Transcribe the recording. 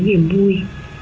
cái niềm vui